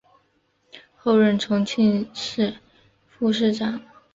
后任重庆市副市长。